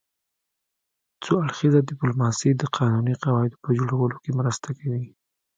څو اړخیزه ډیپلوماسي د قانوني قواعدو په جوړولو کې مرسته کوي